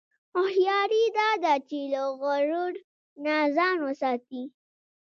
هوښیاري دا ده چې له غرور نه ځان وساتې.